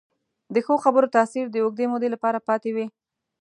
د ښو خبرو تاثیر د اوږدې مودې لپاره پاتې وي.